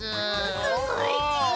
すごいち！